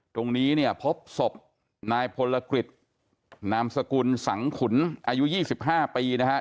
ตรงนี้เนี่ยพบศพนายพลกฤษนามสกุลสังขุนอายุ๒๕ปีนะครับ